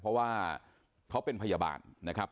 เพราะว่าเขาเป็นพยาบาลนะครับ